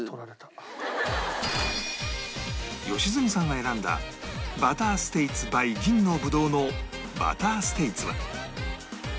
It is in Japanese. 良純さんが選んだバターステイツ ｂｙ 銀のぶどうのバターステイツは